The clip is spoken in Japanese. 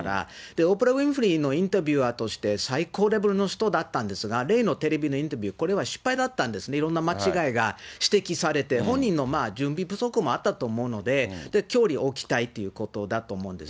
オプラ・ウィンフリーのインタビューアーとして、最高レベルの人だったんですが、例のテレビのインタビュー、これは失敗だったんですね、いろんな間違いが指摘されて、本人の準備不足もあったと思うので、距離を置きたいということだと思うんです。